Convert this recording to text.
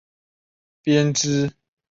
鞭枝悬藓为蔓藓科悬藓属下的一个种。